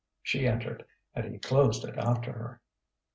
She entered, and he closed it after her.